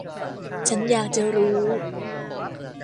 ฉันอยากจะรู้.